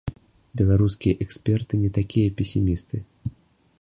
Беларускія эксперты не такія песімісты.